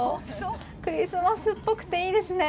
クリスマスっぽくていいですね。